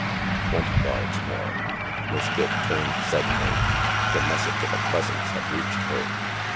Twenty yards more. Miss Dick turned suddenly. The message of a presence had reached her.